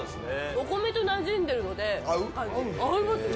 お米となじんでるので、合いますよ。